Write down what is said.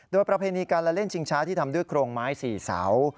โดยประเพณีการละเล่นชิงช้าที่ทำด้วยโครงไม้๔เสา